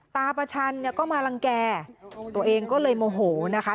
ตาประชันก็มารังแกตัวเองก็เลยโมโหนะคะ